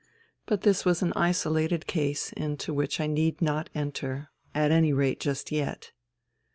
But this was an isolated case into which I need not enter, at any rate just yet.